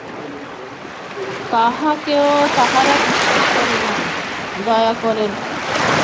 কাহাকেও তাহারা বিশ্বাস করে না, দয়া করে না।